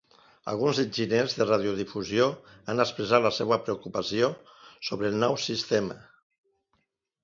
Alguns enginyers de radiodifusió han expressat la seva preocupació sobre el nou sistema.